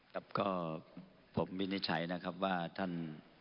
ครับก็ผมวินิจฉัยนะครับว่าท่าน